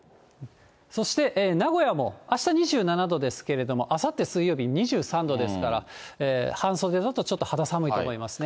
そして名古屋もあした２７度ですけれども、あさって水曜日、２３度ですから、半袖だとちょっと肌寒いと思いますね。